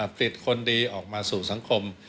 ผลิตคนดีออกมาสู่สังคม